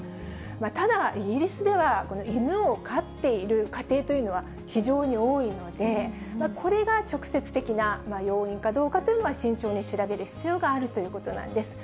ただ、イギリスでは犬を飼っている家庭というのは非常に多いので、これが直接的な要因かどうかというのは、慎重に調べる必要があるということなんです。